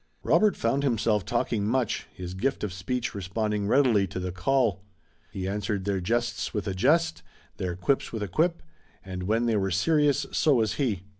Robert found himself talking much, his gift of speech responding readily to the call. He answered their jests with a jest, their quips with a quip, and when they were serious so was he.